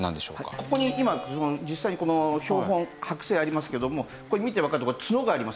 ここに今実際に標本剥製ありますけれどもこれ見てわかるのがツノがあります。